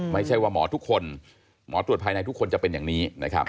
ไม่ใช่ว่าหมอทุกคนหมอตรวจภายในทุกคนจะเป็นอย่างนี้นะครับ